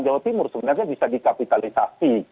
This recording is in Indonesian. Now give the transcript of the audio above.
jawa timur sebenarnya bisa dikapitalisasi